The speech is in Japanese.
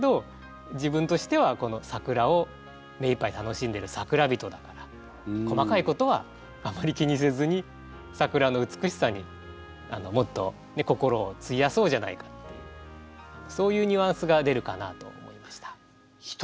自分としてはこの桜を目いっぱい楽しんでる桜人だから細かいことはあまり気にせずに桜の美しさにもっとね心を費やそうじゃないかっていうそういうニュアンスが出るかなと思いました。